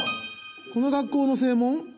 この学校の正門？